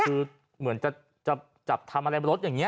คือเหมือนจะจับทำอะไรรถอย่างนี้